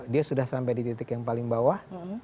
dia sudah sampai di titik yang paling bawah